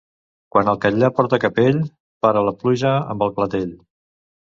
Quan el Catllar porta capell, para la pluja amb el clatell.